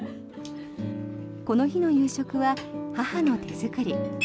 この日の夕食は母の手作り。